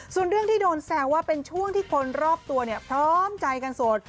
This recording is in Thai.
ส่วนเรื่องที่โดนแซวว่าเป็นช่วงที่คนรอบตัวเนี่ยพร้อมใจกันโสด